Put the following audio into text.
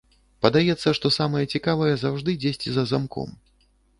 Падаецца, што самае цікавае заўжды дзесьці за замком.